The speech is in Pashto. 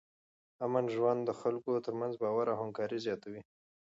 امن ژوند د خلکو ترمنځ باور او همکاري زیاتوي.